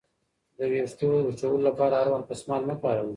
د ویښتو وچولو لپاره هر وخت دستمال مه کاروئ.